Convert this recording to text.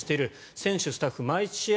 選手、スタッフ毎試合